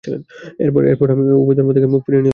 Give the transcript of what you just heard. এর পর আমি এ উভয় ধর্ম থেকে মুখ ফিরিয়ে নিলাম।